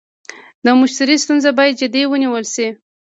د مشتري ستونزه باید جدي ونیول شي.